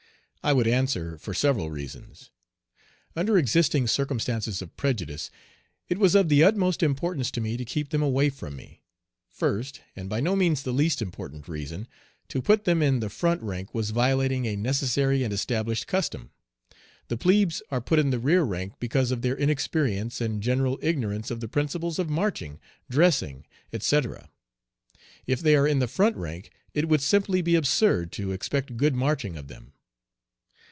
I would answer, for several reasons. Under existing circumstances of prejudice, it was of the utmost importance to me to keep them away from me. First and by no means the least important reason to put them in the front rank was violating a necessary and established custom. The plebes are put in the rear rank because of their inexperience and general ignorance of the principles of marching, dressing, etc. If they are in the front rank, it would simply be absurd to expect good marching of them.